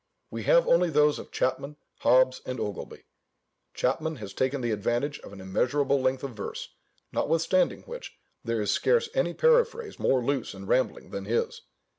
We have only those of Chapman, Hobbes, and Ogilby. Chapman has taken the advantage of an immeasurable length of verse, notwithstanding which, there is scarce any paraphrase more loose and rambling than his.